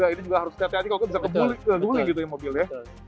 ini juga harus hati hati kalau bisa kebuli gitu ya mobilnya